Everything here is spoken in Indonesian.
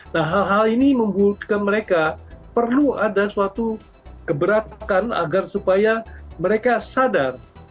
nah hal hal ini membutuhkan mereka perlu ada suatu keberatan agar supaya mereka sadar